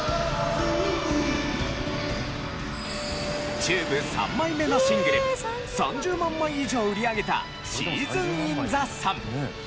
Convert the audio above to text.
ＴＵＢＥ３枚目のシングル３０万枚以上売り上げた『シーズン・イン・ザ・サン』。